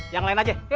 yang lain aja